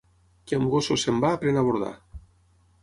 Qui amb gossos se'n va aprèn a bordar.